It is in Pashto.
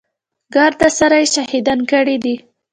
ګرد سره يې شهيدان کړي دي.